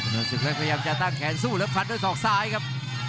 ศึกเล็กพยายามจะตั้งแขนสู้แล้วฟันด้วยศอกซ้ายครับ